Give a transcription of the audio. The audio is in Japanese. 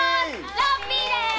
ラッピーです！